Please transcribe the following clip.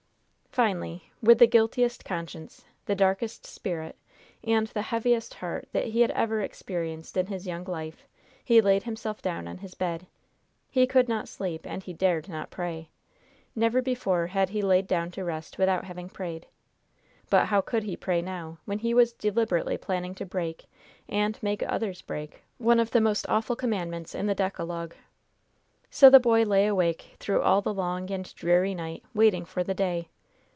Finally, with the guiltiest conscience, the darkest spirit and the heaviest heart that he had ever experienced in his young life, he laid himself down on his bed. He could not sleep, and he dared not pray. Never before had he laid down to rest without having prayed. But how could he pray now, when he was deliberately planning to break, and make others break, one of the most awful commandments in the decalogue? So the boy lay awake through all the long and dreary night, waiting for the day.